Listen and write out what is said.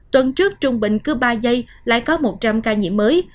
tuần trước trung bình cứ ba giây lại có một trăm linh ca nhiễm mới